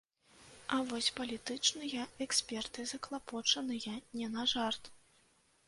А вось палітычныя эксперты заклапочаныя не на жарт.